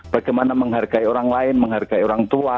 bagaimana menghargai orang lain menghargai orang tua